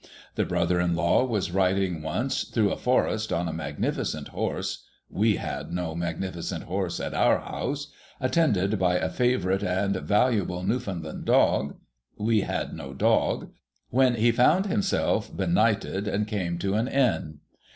The brother in law was riding once through a forest on a magnificent horse (wc had no magnificent • horse at our house), attended by a favourite and valuable Newfoundland dog (we had no dog), when he found himself benighted, and came to an Inn.